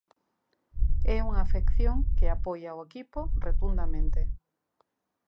É unha afección que apoia o equipo rotundamente.